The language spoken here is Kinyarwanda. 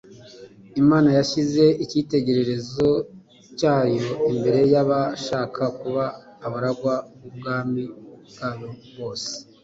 Imana yashyize icyitegererezo cyayo imbere y'abashaka kuba abaragwa b'ubwami bwayo bose.